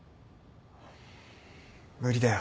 無理だよ